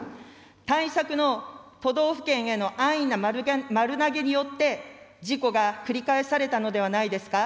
対策の都道府県への安易な丸投げによって、事故が繰り返されたのではないですか。